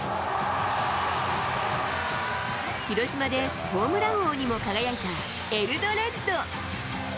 広島でホームラン王にも輝いた、エルドレッド。